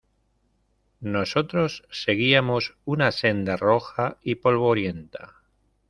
nosotros seguíamos una senda roja y polvorienta.